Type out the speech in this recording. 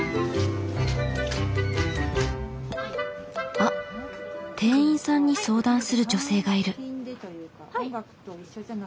あっ店員さんに相談する女性がいる。